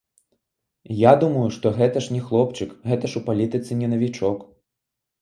Я думаю, што гэта ж не хлопчык, гэта ж у палітыцы не навічок.